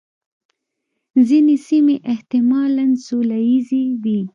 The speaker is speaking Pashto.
ځینې سیمې احتمالاً سوله ییزې وې.